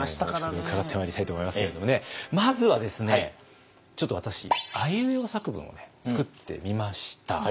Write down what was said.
後ほど伺ってまいりたいと思いますけれどもねまずはですねちょっと私あいうえお作文を作ってみました。